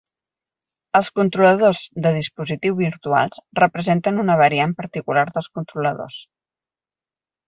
Els controladors de dispositiu virtuals representen una variant particular dels controladors.